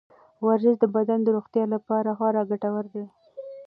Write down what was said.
ورزش د بدن د روغتیا لپاره خورا ګټور دی.